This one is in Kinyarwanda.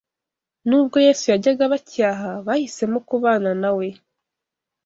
Nubwo Yesu yajyaga abacyaha, bahisemo kubana nawe